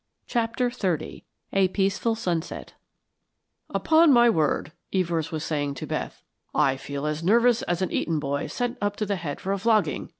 CHAPTER XXX A PEACEFUL SUNSET "Upon my word," Evors was saying to Beth, "I feel as nervous as an Eton boy sent up to the head for a flogging.